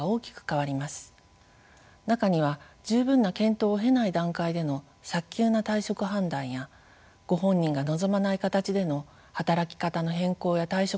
中には十分な検討を経ない段階での早急な退職判断やご本人が望まない形での働き方の変更や退職につながるケースもあります。